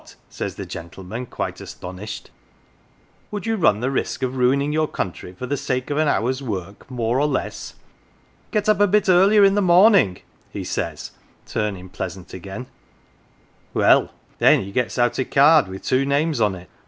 ' says the gentleman, quite astonished, ' would you run the risk of ruining your country for the sake of an hour's work more or less ? Get up a bit earlier in the morning,' he says, turnin' pleasant again. 107 POLITICS Well, then he gets out a card with two names on it.